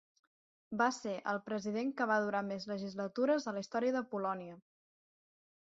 Va ser el president que va durar més legislatures a la història de Polònia.